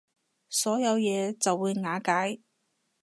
所有嘢就會瓦解